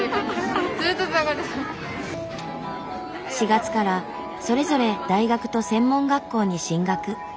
４月からそれぞれ大学と専門学校に進学。